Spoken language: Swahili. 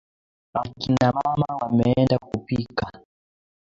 Akina mama wameenda kupika.